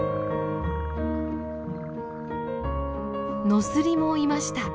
ノスリもいました。